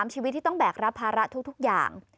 ชีวิตที่ต้องแบกรับภาระทุกอย่าง